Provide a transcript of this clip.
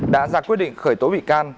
đã ra quyết định khởi tố bị can